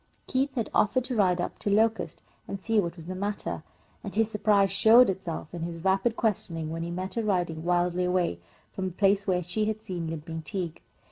Keith had offered to ride up to Locust and see what was the matter, and his surprise showed itself in his rapid questioning when he met her riding wildly away from the place where she had seen Limping Tige.